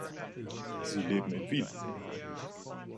Sie leben in Wien.